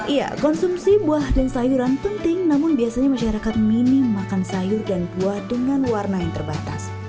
iya konsumsi buah dan sayuran penting namun biasanya masyarakat minim makan sayur dan buah dengan warna yang terbatas